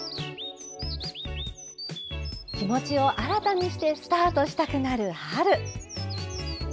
気持ちを新たにしてスタートしたくなる春。